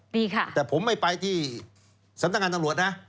ดีค่ะแต่ผมไม่ไปที่สำนักงานตำรวจนะ